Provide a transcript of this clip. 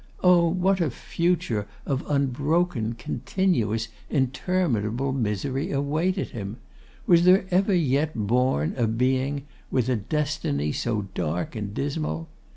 Oh! what a future of unbroken, continuous, interminable misery awaited him! Was there ever yet born a being with a destiny so dark and dismal?